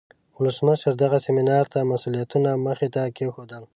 ولسمشر دغه سیمینار ته مسئولیتونه مخې ته کیښودل.